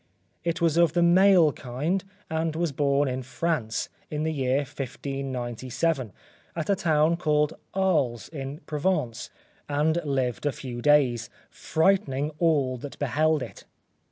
It was of the male kind, and was born in France, in the year 1597, at a town called Arles in Provence, and lived a few days, frightening all that beheld it.